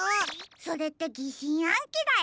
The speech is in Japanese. それってぎしんあんきだよ。